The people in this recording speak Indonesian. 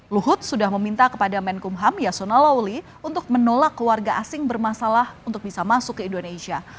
luhut sudah meminta kepada menkumham yasona lawli untuk menolak keluarga asing bermasalah untuk bisa masuk ke indonesia